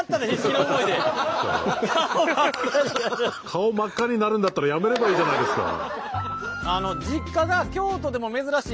顔真っ赤になるんだったらやめればいいじゃないですか。